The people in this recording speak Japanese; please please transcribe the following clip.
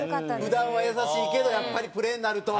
普段は優しいけどやっぱりプレーになると。